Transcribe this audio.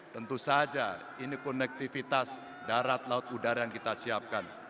tentu saja ini konektivitas darat laut udara yang kita siapkan